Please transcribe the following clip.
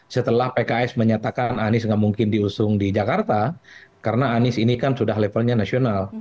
setelah pks menyatakan anies nggak mungkin diusung di jakarta karena anies ini kan sudah levelnya nasional